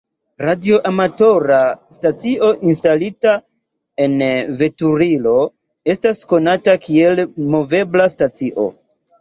Radioamatora stacio instalita en veturilo estas konata kiel movebla stacio.